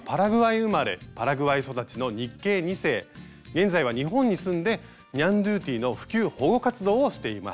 現在は日本に住んでニャンドゥティの普及保護活動をしています。